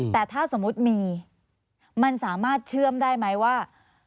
แต่ถ้าสมมุติมีมันสามารถเชื่อมได้ไหมว่า